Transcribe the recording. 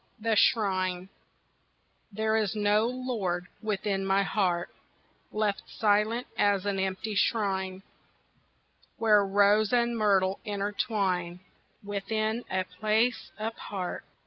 The Shrine There is no lord within my heart, Left silent as an empty shrine Where rose and myrtle intertwine, Within a place apart.